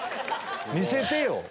見せてよ！